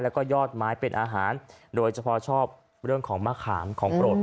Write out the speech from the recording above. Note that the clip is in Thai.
แล้วก็ยอดไม้เป็นอาหารโดยเฉพาะชอบเรื่องของมะขามของโปรด